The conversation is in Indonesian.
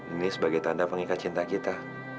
ini sebagai tanda pengikat cinta kita